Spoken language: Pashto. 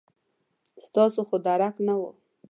ستاسو خو درک نه و.